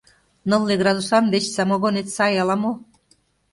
Нылле градусан деч самогонет сай ала-мо.